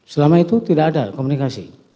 selama itu tidak ada komunikasi